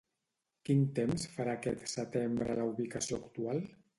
Quin temps farà aquest setembre a la ubicació actual?